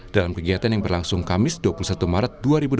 dalam kegiatan yang berlangsung kamis dua puluh satu maret dua ribu delapan belas